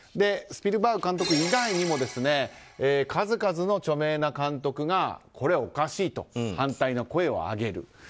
スピルバーグ監督以外にも数々の著名な監督がこれはおかしいと反対の声を上げる。